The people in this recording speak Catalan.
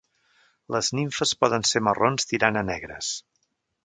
Les nimfes poden ser marrons tirant a negres.